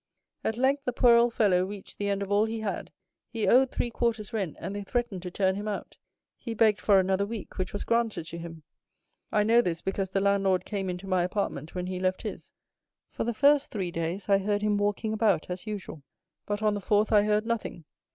At length the poor old fellow reached the end of all he had; he owed three quarters' rent, and they threatened to turn him out; he begged for another week, which was granted to him. I know this, because the landlord came into my apartment when he left his. "For the first three days I heard him walking about as usual, but, on the fourth I heard nothing.